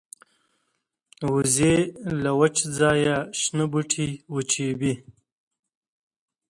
وزې له وچ ځایه شنه بوټي وچيبي